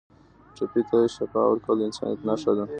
ټپي ته شفا ورکول د انسانیت نښه ده.